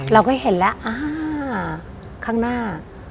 เราก็เห็นแล้วอ่าข้างหน้า